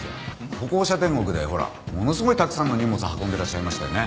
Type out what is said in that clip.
歩行者天国でほらものすごいたくさんの荷物運んでらっしゃいましたよね？